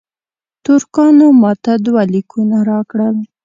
ترکانو ماته دوه لیکونه راکړل.